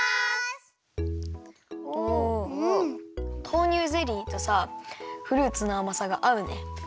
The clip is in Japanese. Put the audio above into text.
豆乳ゼリーとさフルーツのあまさがあうね。